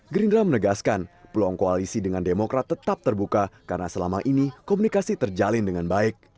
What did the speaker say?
gerindra menegaskan peluang koalisi dengan demokrat tetap terbuka karena selama ini komunikasi terjalin dengan baik